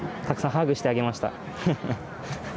たくさんハグしてあげました。